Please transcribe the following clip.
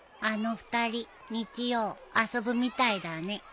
あの２人日曜遊ぶみたいだね。